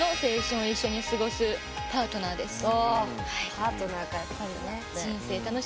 パートナーかやっぱりね。